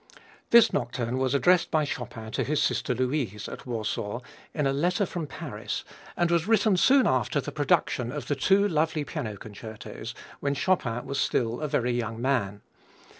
This nocturne was addressed by Chopin to his sister Louise, at Warsaw, in a letter from Paris, and was written soon after the production of the two lovely piano concertos, when Chopin was still a very young man.